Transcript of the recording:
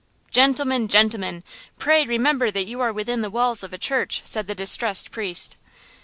"Gentlemen! gentlemen! pray remember that you are within the walls of a church!" said the distressed priest.